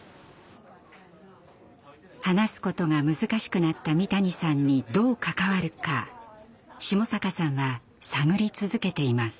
話すことが難しくなった三谷さんにどう関わるか下坂さんは探り続けています。